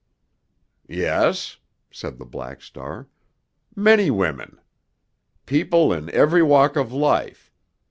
"Yes," said the Black Star. "Many women! People in every walk of life.